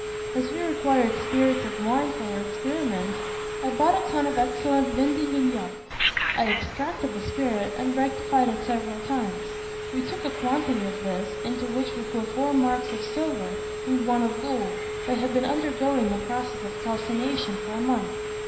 As we required spirits of wine for our experiment, I bought a tun of excellent vin de Gaillac. I extracted the spirit, and rectified it several times. We took a quantity of this, into which we put four marks of silver and one of gold that had been undergoing the process of calcination for a month.